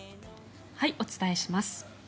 お伝えします。